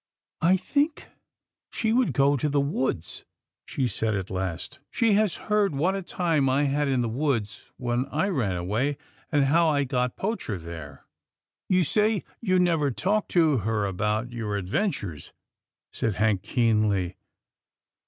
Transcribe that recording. " I think she would go to the woods/' she said at last. She has heard what a time I had in the woods when I ran away, and how I got Poacher there." " You say you never talked to her about your adventures," said Hank keenly.